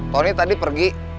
tony tadi pergi